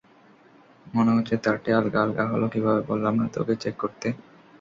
মনে হচ্ছে তারটি আলগা, আলগা হলো কিভাবে, বললাম না তোকে চেক করতে।